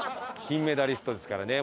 金メダリストですからね